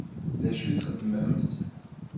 D acu i txeddmemt?